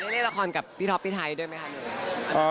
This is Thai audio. ยังได้เล่นละครกับพี่ท็อปพี่ไทยด้วยไหมคะ